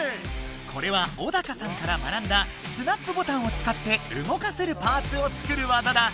これはオダカさんから学んだスナップボタンを使って動かせるパーツを作るわざだ。